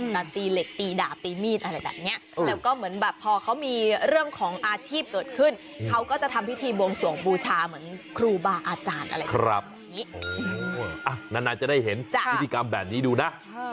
เรื่องของอาชีพเกิดขึ้นเขาก็จะทำพิธีบวงส่วงบูชาเหมือนครูบ่าอาจารย์อะไรแบบนี้นั้นอาจจะได้เห็นพิธีกรรมแบบนี้ดูนะ